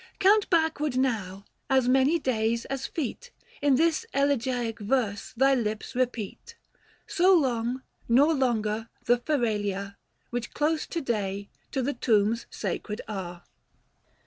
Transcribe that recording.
Count backward now, as many days as feet In this elegiac verse thy lips repeat, 605 So long — nor longer — the Feral ia, Which close to day, to the tombs sacred are.